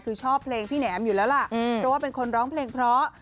คือชอบเพลงพี่แหนมอยู่แล้วล่ะเพราะว่าเป็นคนร้องเพลงเพราะ